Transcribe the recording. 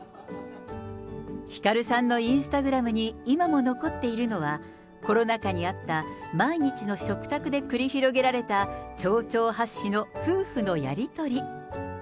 ひかるさんのインスタグラムに今も残っているのは、コロナ禍にあった毎日の食卓で繰り広げられた丁々発止の夫婦のやり取り。